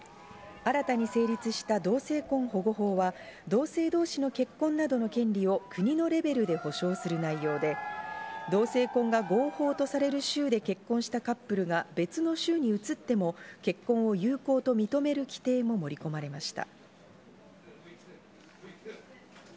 新たに成立した同性婚保護法は同性同士の結婚などの権利を国のレベルで保証する内容で、同性婚が合法とされる州で結婚したカップルが別の州に移っても結婚を有効と認める規定も盛り込まれました。